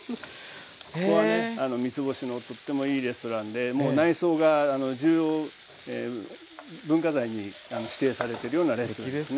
ここはね三つ星のとってもいいレストランでもう内装が重要文化財に指定されてるようなレストランですね。